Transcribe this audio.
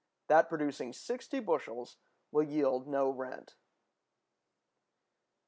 That producing 60 bushels, will yield no rent.